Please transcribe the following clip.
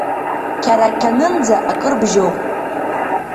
Қьарақьанынӡа акыр бжьоуп.